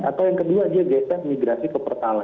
atau yang kedua dia gesek migrasi ke pertalai